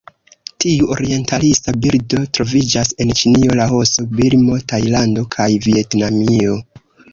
Tiu orientalisa birdo troviĝas en Ĉinio, Laoso, Birmo, Tajlando kaj Vjetnamio.